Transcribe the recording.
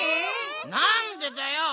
なんでだよ！